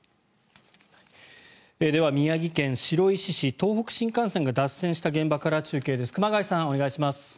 では宮城県白石市東北新幹線が脱線した現場から中継です。